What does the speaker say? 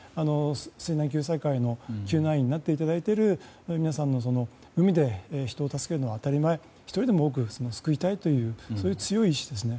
水難救済会の救命員になっていただいている皆さんの海で人を助けるのは当たり前１人でも多く救いたいという強い意志ですね。